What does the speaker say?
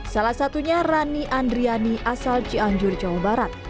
salah satunya rani andriani asal cianjur jawa barat